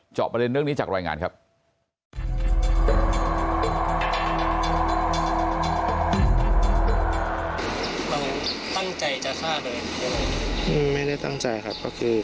จอบประเด็นนี้จากรายงานครับ